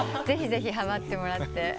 ぜひぜひはまってもらって。